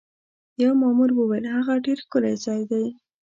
یوه مامور وویل: هغه ډېر ښکلی ځای دی.